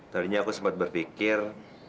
tadinya aku sempat berpikir